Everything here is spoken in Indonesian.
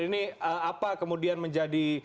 ini apa kemudian menjadi